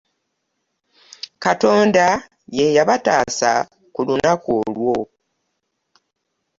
Katonda ye yabataasa ku lunaku olwo.